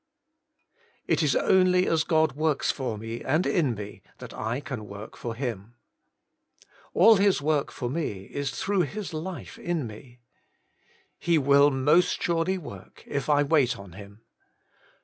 1. It is only as God works for me, and in me, that I can work for Him. 2. All His work for me is through His life in me. 3. He will most surely work, if I wait on Him.